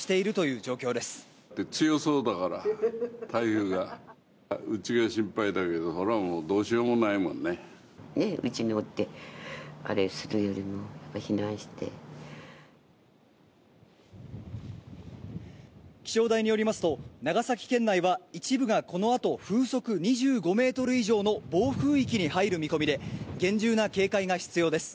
うちにおってあれするよりも、気象台によりますと、長崎県内は一部がこのあと、風速２５メートル以上の暴風域に入る見込みで、厳重な警戒が必要です。